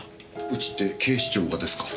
うちって警視庁がですか？